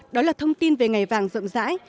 đó là thông tin về ngày vàng rộng rãi